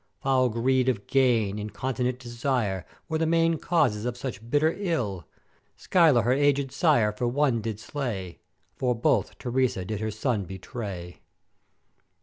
Foul greed of gain, incontinent desire, were the main causes of such bitter ill: Scylla her agèd sire for one did slay, for both Teresa did her son betray.